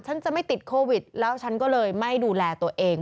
ฉันจะไม่ติดโควิดแล้วฉันก็เลยไม่ดูแลตัวเอง